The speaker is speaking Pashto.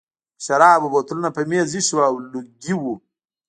د شرابو بوتلونه په مېز ایښي وو او لوګي وو